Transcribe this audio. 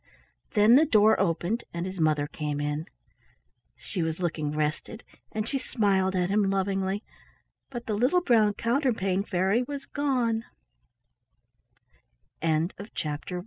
Then the door opened and his mother came in. She was looking rested, and she smiled at him lovingly, but the little brown Counterpane Fair